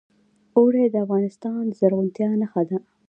اوړي د افغانستان د زرغونتیا نښه ده.